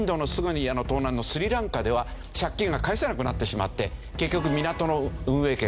東南のスリランカでは借金が返せなくなってしまって結局港の運営権